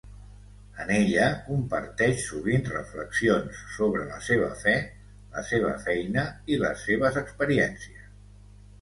En ella, comparteix sovint reflexions sobre la seva fe, la seva feina i les seves experiències.